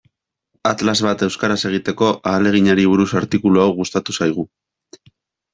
Atlas bat euskaraz egiteko ahaleginari buruz artikulu hau gustatu zaigu.